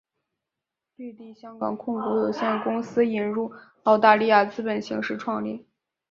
绿地香港控股有限公司引入澳大利亚资本形式创立。